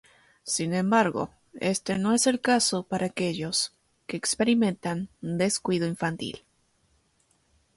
Sin embargo, este no es el caso para aquellos que experimentan descuido infantil.